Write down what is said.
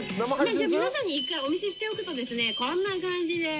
「じゃあ皆さんに一回お見せしておくとですねこんな感じです。